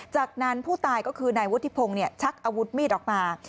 จากนั้นผู้ตายก็คือนายวุฒิพงศ์ชักอาวุธมีดออกมา